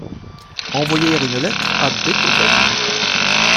Envoyer une lettre à Beethoven.